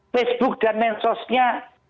facebook dan mensosnya